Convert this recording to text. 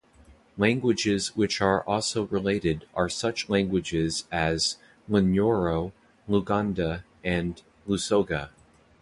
Languages which are also related are such languages as Lunyoro, Luganda and Lusoga.